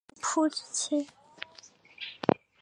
是主仆之情？